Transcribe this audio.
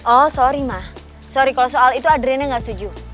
oh sorry ma sorry kalau soal itu adriana gak setuju